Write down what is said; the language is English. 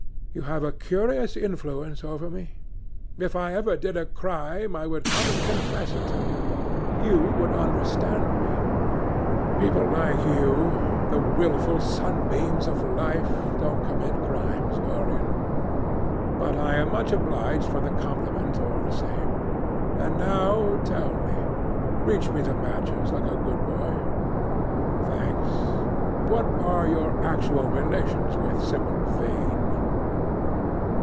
You have a curious influence over me. If I ever did a crime, I would come and confess it to you. You would understand me." "People like you—the wilful sunbeams of life—don't commit crimes, Dorian. But I am much obliged for the compliment, all the same. And now tell me—reach me the matches, like a good boy—thanks—what are your actual relations with Sibyl Vane?"